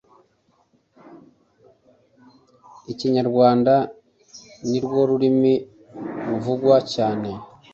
Ikinyarwanda nirwo rurimi ruvugwa cyane